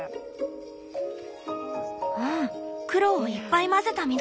うん黒をいっぱい混ぜた緑。